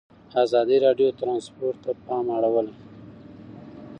ازادي راډیو د ترانسپورټ ته پام اړولی.